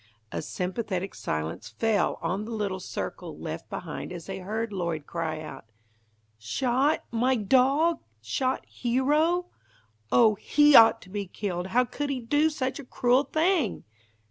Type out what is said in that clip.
A sympathetic silence fell on the little circle left behind as they heard Lloyd cry out, "Shot my dog? Shot Hero? Oh, he ought to be killed! How could he do such a cruel thing!"